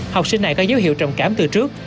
học sinh này có dấu hiệu trầm cảm từ trước